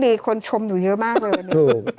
มีคนชมหนูเยอะมากเลย